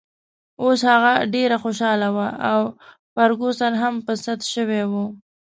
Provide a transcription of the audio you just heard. اوس هغه ډېره خوشحاله وه او فرګوسن هم په سد شوې وه.